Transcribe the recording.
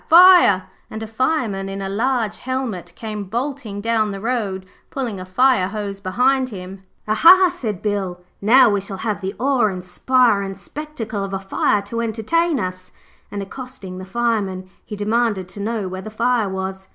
Fire!' and a Fireman in a large helmet came bolting down the road, pulling a fire hose behind him. 'Aha!' said Bill. 'Now we shall have the awe inspirin' spectacle of a fire to entertain us,' and, accosting the Fireman, he demanded to know where the fire was.